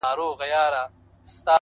مخامخ وتراشل سوي بت ته گوري ـ